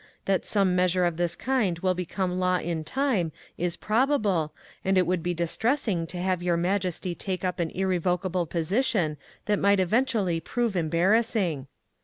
That some measure of this kind will become law in time is proba ble, and it would be distressing to have your majesty take up an irrevocable position that might eventually prove embar rassing.''